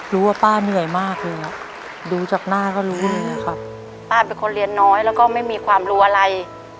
ป้าเหนื่อยมากเลยครับดูจากหน้าก็รู้เลยครับป้าเป็นคนเรียนน้อยแล้วก็ไม่มีความรู้อะไร